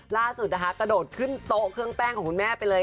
ล่าสุดนะคะกระโดดขึ้นโต๊ะเครื่องแป้งของคุณแม่ไปเลย